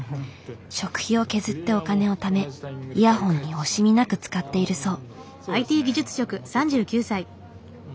食費を削ってお金をためイヤホンに惜しみなく使っているそう。